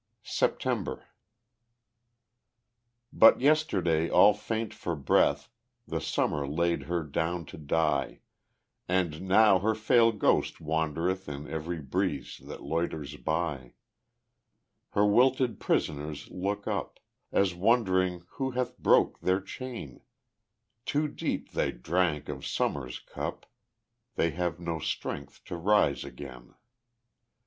September But yesterday all faint for breath, The Summer laid her down to die; And now her frail ghost wandereth In every breeze that loiters by. Her wilted prisoners look up, As wondering who hath broke their chain, Too deep they drank of summer's cup, They have no strength to rise again.